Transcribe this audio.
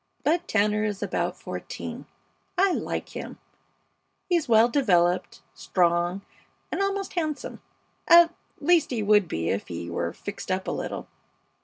Bud Tanner is about fourteen, and I like him. He's well developed, strong, and almost handsome; at least he would be if he were fixed up a little.